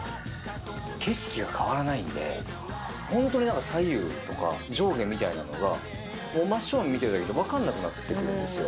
景色が変わらないんで、本当になんか左右とか上下みたいなのが、真正面見てるだけじゃ、分からなくなってくるんですよ。